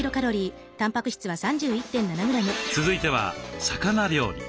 続いては魚料理。